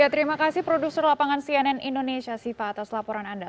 terima kasih produser lapangan cnn indonesia siva atas laporan anda